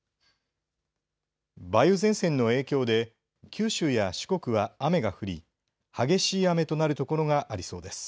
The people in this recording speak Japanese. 梅雨前線の影響で九州や四国は雨が降り激しい雨となる所がありそうです。